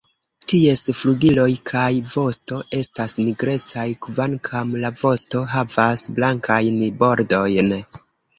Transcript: Ties flugiloj kaj vosto estas nigrecaj, kvankam la vosto havas blankajn bordojn.